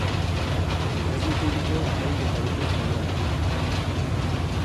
Baina ez dute hilko harik eta umea jaio arte.